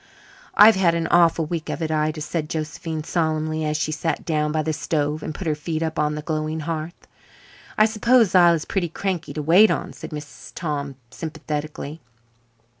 "I've had an awful week of it, Ida," said Josephine solemnly, as she sat down by the stove and put her feet up on the glowing hearth. "I suppose Zillah is pretty cranky to wait on," said Mrs. Tom sympathetically.